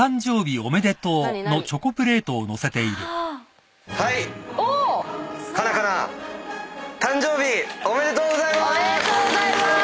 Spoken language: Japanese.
おめでとうございます。